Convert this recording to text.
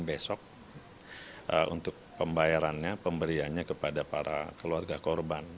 kita akan usahakan besok untuk pembayarannya pemberiannya kepada para keluarga korban